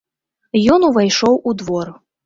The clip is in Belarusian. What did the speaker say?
Ён увайшоў у двор.